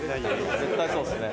絶対そうですね。